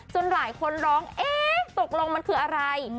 หลายคนร้องเอ๊ะตกลงมันคืออะไร